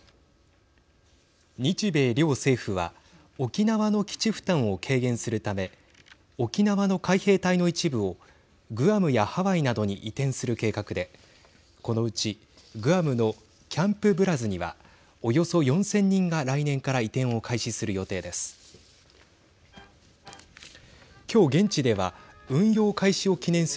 日米両政府は沖縄の基地負担を軽減するため沖縄の海兵隊の一部をグアムやハワイなどに移転する計画でこのうちグアムのキャンプ・ブラズにはおよそ４０００人が来年から移転を開始する予定です。